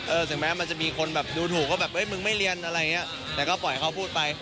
ถึงแม้มันจะมีคนแบบดูถูกว่าแบบเอ้ยมึงไม่เรียนอะไรอย่างเงี้ยแต่ก็ปล่อยเขาพูดไป